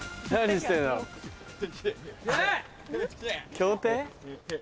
競艇？